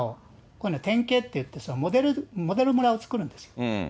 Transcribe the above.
こういうのは典型っていって、そういうモデル村を作るんですよ。